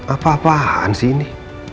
apa apaan sih ini